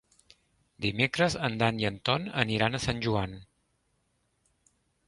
Dimecres en Dan i en Ton aniran a Sant Joan.